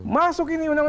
masuk ini undang undang kpk